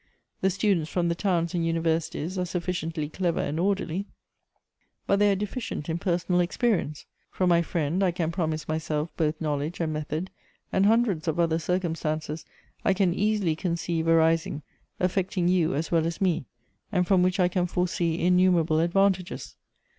The students from the towns and universities ai e sufficiently clever and orderly, but they are deficient in personal experience. From my friend, I can promise my self both knowledge and method, and hundreds of other circumstances I can easily conceive arising, affecting you as well as me, and from which I can foresee innumerable advantages.